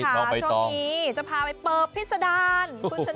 ทุกวันโชว์ค่ะช่วงนี้จะพาไปเปิบพิษดาร